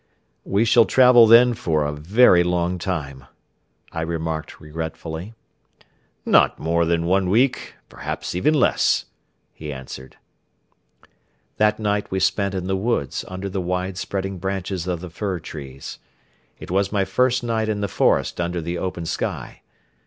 "We shall travel then for a very long time," I remarked regretfully. "Not more than one week, perhaps even less," he answered. That night we spent in the woods under the wide spreading branches of the fir trees. It was my first night in the forest under the open sky.